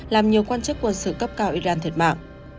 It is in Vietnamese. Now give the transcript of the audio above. làm nhiều quan chức quân sự cấp cao iran thiệt mạng